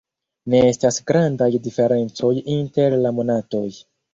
Ne estas grandaj diferencoj inter la monatoj.